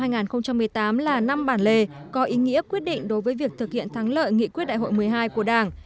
năm hai nghìn một mươi tám là năm bản lề có ý nghĩa quyết định đối với việc thực hiện thắng lợi nghị quyết đại hội một mươi hai của đảng